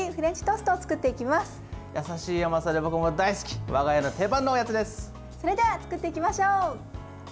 それでは作っていきましょう。